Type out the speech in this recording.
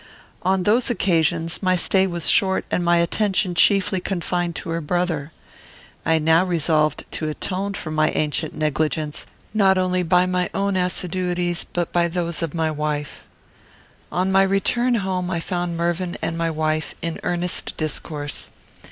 On those occasions, my stay was short, and my attention chiefly confined to her brother. I now resolved to atone for my ancient negligence, not only by my own assiduities, but by those of my wife. On my return home, I found Mervyn and my wife in earnest discourse.